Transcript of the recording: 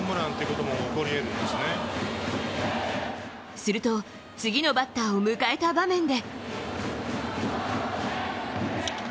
すると次のバッターを迎えた場面で。